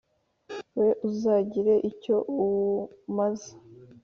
We uzagira icyo awumaza !"